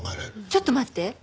ちょっと待って。